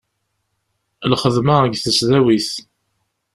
Lxedma deg tesdawit;